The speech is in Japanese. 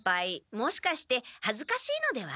もしかしてはずかしいのでは？